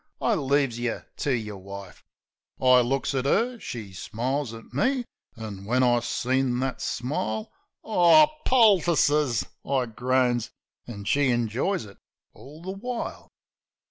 I leaves yeh to yer wife." 20 Possum I looks at 'er, she smiles at me, an' when I seen that smile : "Aw, poultices!" I groans. An' she injoys it all the while